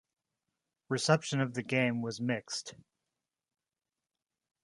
Reception of the game was mixed.